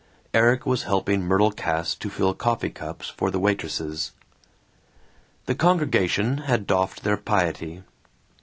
Erik was helping Myrtle Cass to fill coffee cups for the waitresses. The congregation had doffed their piety.